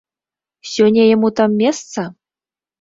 Сёння яму там месца?